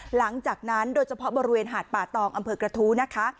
หลังจากนั้นโดยเฉพาะบริเวณหาดป่าตองอำเภอกระทู้นะคะ